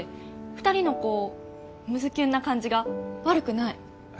二人のこうむずキュンな感じが悪くない